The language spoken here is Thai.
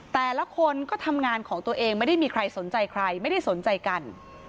แต่ละคนก็ทำงานของตัวเองไม่ได้มีใครสนใจใครไม่ได้สนใจกัน